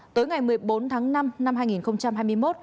tối ngày một mươi bốn tháng năm năm hai nghìn hai mươi một